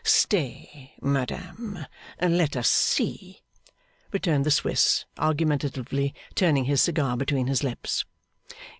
'Stay, madame! Let us see,' returned the Swiss, argumentatively turning his cigar between his lips.